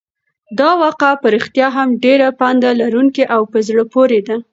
دا واقعه په رښتیا هم ډېره پنده لرونکې او په زړه پورې ده.